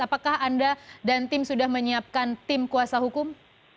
apakah anda dan tim sudah menyiapkan tim kuasa hukum